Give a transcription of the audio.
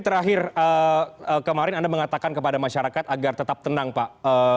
terakhir kemarin anda mengatakan kepada masyarakat agar tetap tenang pak